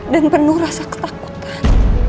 dan penuh rasa ketakutan